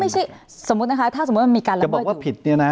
จะบอกว่าผิด